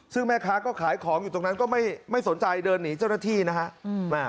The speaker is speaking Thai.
ซึ่งแม่ค้าก็ขายของอยู่ตรงนั้นก็ไม่สนใจเดินหนีเจ้าหน้าที่นะฮะ